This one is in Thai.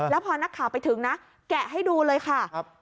แล้วพอนักข่าวไปถึงนะแกะให้ดูเลยค่ะ